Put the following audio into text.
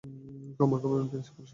ক্ষমা করবেন প্রিন্সিপাল সাহেব।